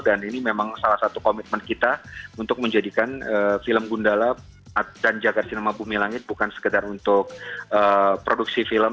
dan ini memang salah satu komitmen kita untuk menjadikan film gundala dan jagat cinema bumi langit bukan sekedar untuk produksi film